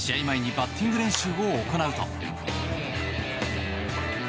前にバッティング練習を行うと。